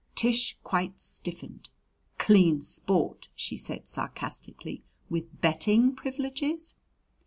Tish quite stiffened. "Clean sport!" she said sarcastically. "With betting privileges!"